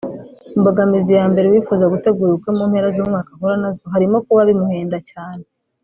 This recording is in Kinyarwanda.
Imbogamizi ya mbere uwifuza gutegura ubukwe mu mpera z’umwaka ahura nazo harimo kuba bimuhenda cyane